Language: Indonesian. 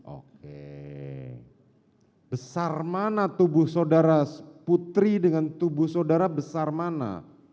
oke besar mana tubuh saudara putri dengan tubuh saudara besar mana